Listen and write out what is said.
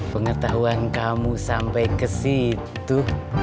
pengetahuan kamu sampai kesitu